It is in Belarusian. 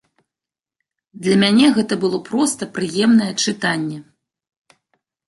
Для мяне гэта было проста прыемнае чытанне.